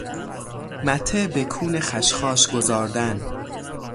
مته بکون خشخاش گذاردن